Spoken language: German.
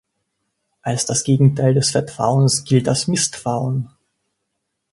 Als das Gegenteil des Vertrauens gilt das Misstrauen.